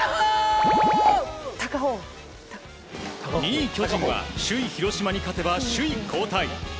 ２位、巨人は首位、広島に勝てば首位交代。